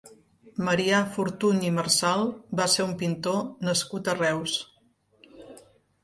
Marià Fortuny i Marsal va ser un pintor nascut a Reus.